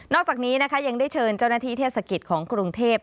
อกจากนี้นะคะยังได้เชิญเจ้าหน้าที่เทศกิจของกรุงเทพ